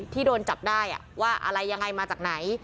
ที่โดนจับได้ว่าอะไรยังไงมาจากไหน